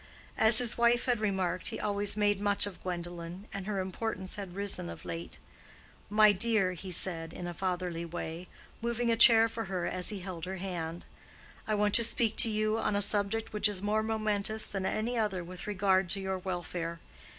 As his wife had remarked, he always "made much" of Gwendolen, and her importance had risen of late. "My dear," he said, in a fatherly way, moving a chair for her as he held her hand, "I want to speak to you on a subject which is more momentous than any other with regard to your welfare.